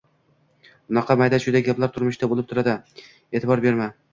Bunaqa mayda-chuyda gaplar turmushda bo`lib turadi, e`tibor berma